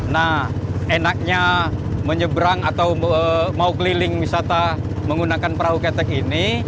nah enaknya menyeberang atau mau keliling wisata menggunakan perahu ketek ini